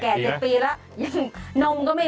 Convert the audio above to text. แก่๗ปีแล้วยังนมก็ไม่มี